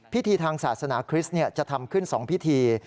พิธีทางศาสนาคริสต์จะทำขึ้น๒พิธี